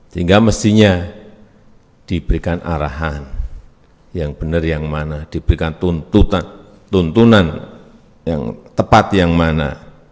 sehingga mestinya diberikan arahan yang benar yang mana diberikan tuntunan yang tepat yang mana